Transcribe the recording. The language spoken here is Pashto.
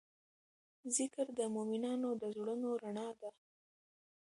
ذکر د مؤمنانو د زړونو رڼا ده.